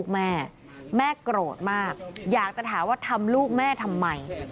แม่แม่โกรธมากอยากจะถามว่าทำลูกแม่ทำไม